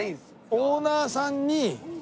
オーナーさんにいる？